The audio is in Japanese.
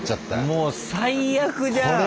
もう最悪じゃん。